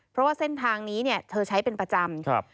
เพราะว่าเส้นทางนี้เธอใช้เป็นประจำ